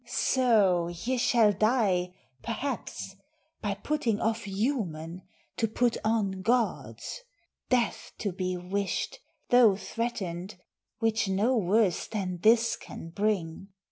So ye shall die, perhaps, by putting off Human, to put on gods; death to be wished, Though threatened, which no worse than this can bring.